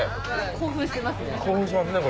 興奮してますね。